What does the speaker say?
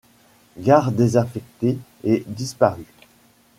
Gare désaffectée et disparue.